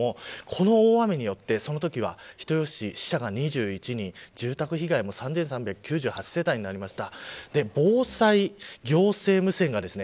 この大雨によってそのときは人吉市は死者が２１人被災世帯も３３９８になりました。